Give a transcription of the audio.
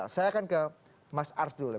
saya akan ke mas ars dulu ya